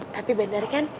tapi bener kan